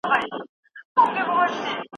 ښوونه او روزنه د پرمختګ اساس دی.